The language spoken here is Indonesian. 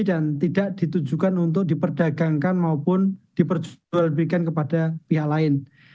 dan tidak ditujukan untuk diperdagangkan maupun diperjudulkan kepada pihak lain